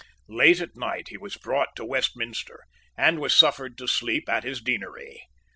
Late at night he was brought to Westminster, and was suffered to sleep at his deanery.